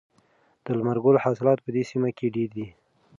د لمر ګل حاصلات په دې سیمه کې ډیر دي.